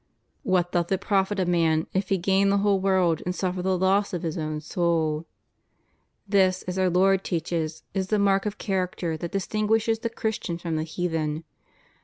'What doth it profit a man if he gain the whole world and suffer the loss of his own soul 9 ^ This, as Our Lord teaches, is the mark or character that distinguishes the Christian from the heathen.